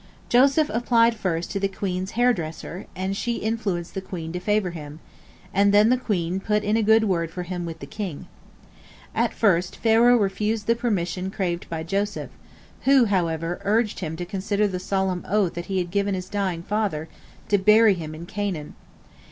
" Joseph applied first to the queen's hairdresser, and she influenced the queen to favor him, and then the queen put in a good word for him with the king. At first Pharaoh refused the permission craved by Joseph, who, however, urged him to consider the solemn oath he had given his dying father, to bury him in Canaan.